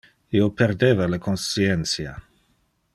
Io perdeva le conscientia.